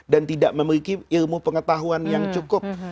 dan tidak memiliki ilmu pengetahuan yang cukup